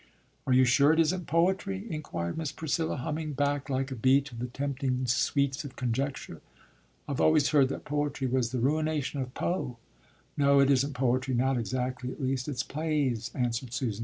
'" "Are you sure it isn't poetry?" inquired Miss Priscilla, humming back like a bee to the tempting sweets of conjecture. "I've always heard that poetry was the ruination of Poe." "No, it isn't poetry not exactly at least it's plays," answered Susan.